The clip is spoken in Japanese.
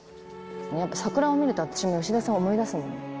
やっぱり、桜を見ると、吉田さんを思い出すもん。